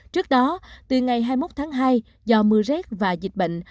trước đó từ ngày hai mươi một tháng hai do mưa rét và dịch bệnh